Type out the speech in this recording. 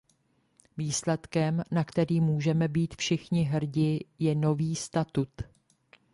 Výsledkem, na který můžeme být všichni hrdi, je nový statut.